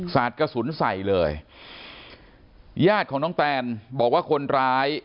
สาดกระสุนใส่เลยญาติของน้องแตนบอกว่าคนร้าย